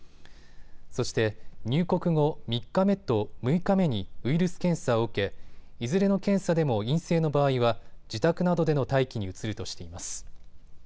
そして入国後３日目と６日目にウイルス検査を受けいずれの検査でも陰性の場合は自宅などでの待機に移るとしています。